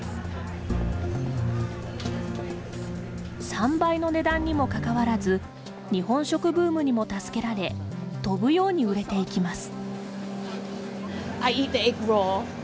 ３倍の値段にもかかわらず日本食ブームにも助けられ飛ぶように売れていきます。